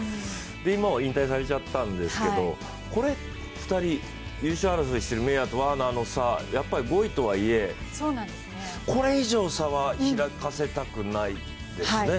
もう引退されちゃったんですけど、２人、優勝争いしているメイヤーとワーナーの差、５位とはいえ、これ以上、差は開かせたくないですね。